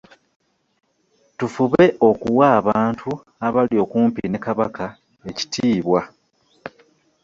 Tufube okuwa abantu abali okumpi ne Kabaka ekitiibwa.